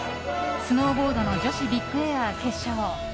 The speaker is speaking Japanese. スノーボードの女子ビッグエア決勝。